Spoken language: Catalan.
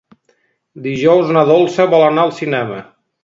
Dijous na Dolça vol anar al cinema.